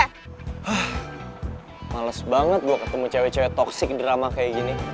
hah males banget gue ketemu cewek cewek toksik drama kayak gini